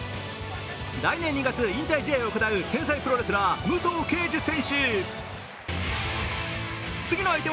来年２月、引退試合を行う天才プロレスラー・武藤敬司選手。